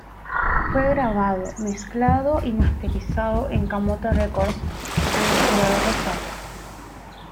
Fue grabado, mezclado y masterizado en Camote Records, en la ciudad de Rosario.